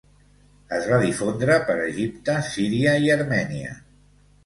Es va difondre per Egipte, Síria i Armènia.